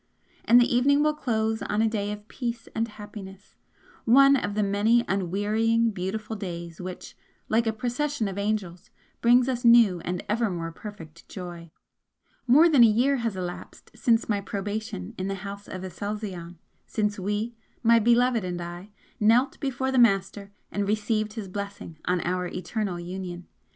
And the evening will close on a day of peace and happiness, one of the many unwearying, beautiful days which, like a procession of angels, bring us new and ever more perfect joy! More than a year has elapsed since my 'Probation' in the House of Aselzion, since we, my Beloved and I, knelt before the Master and received his blessing on our eternal union.